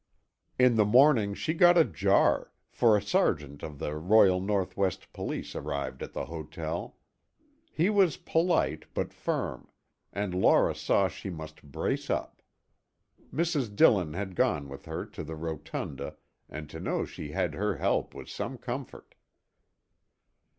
In the morning she got a jar, for a sergeant of the Royal North West Police arrived at the hotel. He was polite but firm, and Laura saw she must brace up. Mrs. Dillon had gone with her to the rotunda and to know she had her help was some comfort.